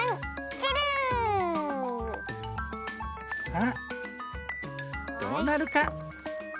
さあどうなるか？